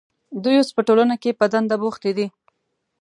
دوی اوس په ټولنه کې په دنده بوختې دي.